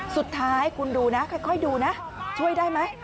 สุดท้ายคุณดูนะค่อยดูนะช่วยได้ไหม